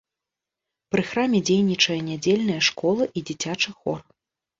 Пры храме дзейнічае нядзельная школа і дзіцячы хор.